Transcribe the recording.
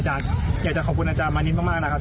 อยากจะขอบคุณอาจารย์มานิดมากนะครับ